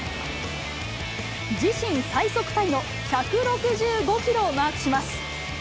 自身最速タイの１６５キロをマークします。